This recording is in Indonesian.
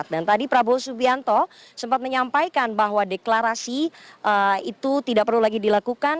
tadi prabowo subianto sempat menyampaikan bahwa deklarasi itu tidak perlu lagi dilakukan